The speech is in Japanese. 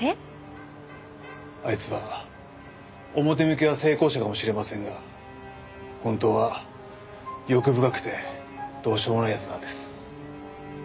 あいつは表向きは成功者かもしれませんが本当は欲深くてどうしようもない奴なんです。